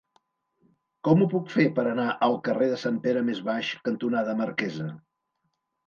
Com ho puc fer per anar al carrer Sant Pere Més Baix cantonada Marquesa?